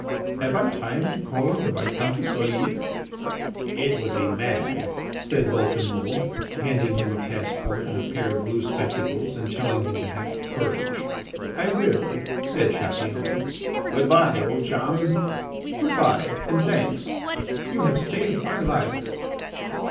"Have I time to call on the Viscountess Olive?" "It would be mad," said Vulcanmould, handing him a passport and a pair of blue spectacles, and telling him to have courage. "I will," said Chatillon. "Good bye! old chum." "Good bye and thanks! You have saved my life."